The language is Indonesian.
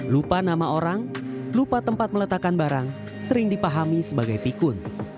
lupa nama orang lupa tempat meletakkan barang sering dipahami sebagai pikun